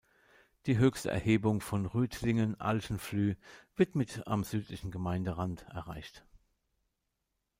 Die höchste Erhebung von Rüdtligen-Alchenflüh wird mit am südlichen Gemeinderand erreicht.